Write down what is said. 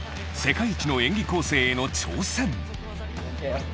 世界一の演技構成への挑戦。